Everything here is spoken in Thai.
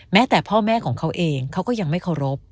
แต่พ่อแม่ของเขาเองเขาก็ยังไม่เคารพ